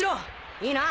いいな？